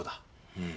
うん。